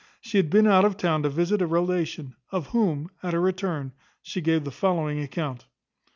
She had been out of town to visit a relation, of whom, at her return, she gave the following account.